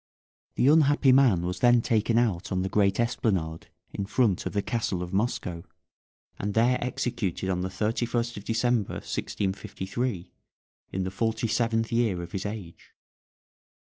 The unhappy man was then taken out on to the great esplanade in front of the castle of Moscow, and there executed on the 31st of December, 1653, in the forty seventh year of his age.